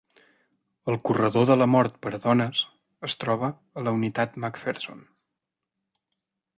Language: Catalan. El corredor de la mort per a dones es troba a la Unitat McPherson.